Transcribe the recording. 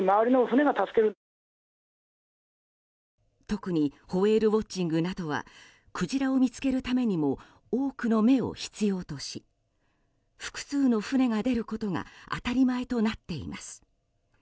特にホエールウォッチングなどはクジラを見つけるためにも多くの目を必要とし複数の船が出ることが当たり前となっています。